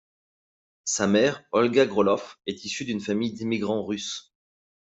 Sa mère, Olga Groloff, est issue d'une famille d'immigrants russes.